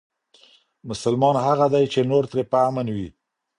مسلمان هغه دی چې نور ترې په امن وي.